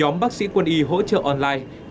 nhóm bác sĩ quân y hỗ trợ online